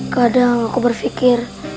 kadang aku berpikir